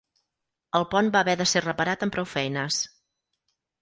El pont va haver de ser reparat amb prou feines.